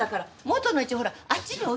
元の位置ほらあっちに。